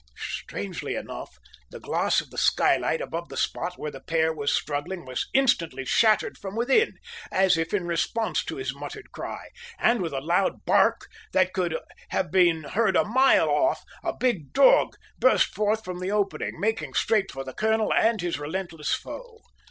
Strangely enough, the glass of the skylight above the spot where the pair were struggling was instantly shattered from within, as if in response to his muttered cry; and with a loud bark that could have been heard a mile off, a big dog burst forth from the opening, making straight for the colonel and his relentless foe.